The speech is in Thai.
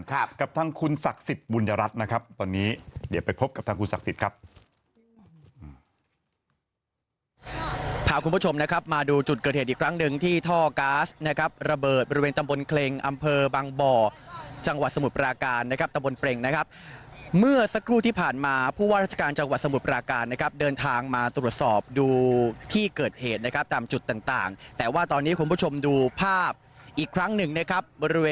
กับทางคุณศักดิ์สิทธิ์บุญรัฐนะครับตอนนี้เดี๋ยวไปพบกับทางคุณศักดิ์สิทธิ์ครับ